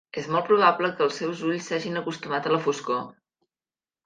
És molt probable que els seus ulls s'hagin acostumat a la foscor.